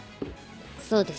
そうです。